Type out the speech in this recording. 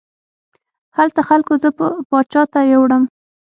هلته خلکو زه پاچا ته یووړم.